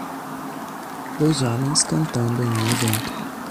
Dois homens cantando em um evento.